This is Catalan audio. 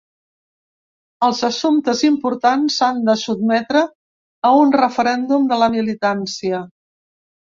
Els assumptes importants s’han de sotmetre a un referèndum de la militància.